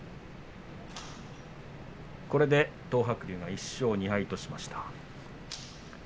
これで東白龍が１勝２敗としました。